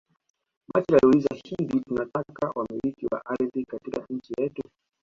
Machel aliuliza hivi tunataka wamiliki wa ardhi katika nchi yetu